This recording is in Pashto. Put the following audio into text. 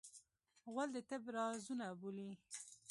غول د طب رازونه بولي.